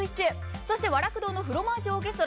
そして和楽堂のフロマージュオーケストラ。